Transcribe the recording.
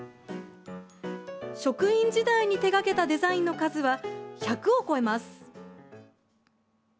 職員時代に手掛けたデザインの数は１００を超えます。